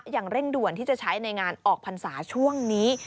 อย่างเร่งด่วนที่จะใช้ในงานออกพรรษาช่วงนี้